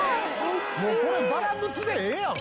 「もうこれバラムツでええやん！」